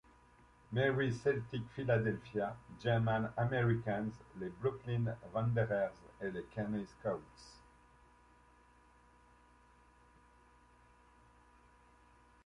Mary's Celtic, Philadelphia German-Americans, les Brooklyn Wanderers et les Kearny Scots.